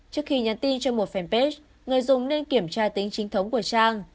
trước khi nhắn tin cho một fanpage người dùng nên kiểm tra tính chính thống của trang